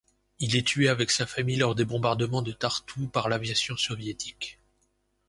Il est tué avec sa famille lors du bombardement de Tartu par l'aviation soviétique.